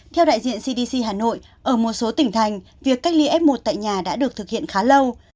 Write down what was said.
theo đại diện cdc hà nội ở một số tỉnh thành việc cách ly f một tại nhà đã được thực hiện khá lâu